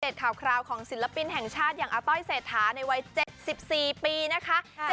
ข่าวคราวของศิลปินแห่งชาติอย่างอาต้อยเศรษฐาในวัย๗๔ปีนะคะ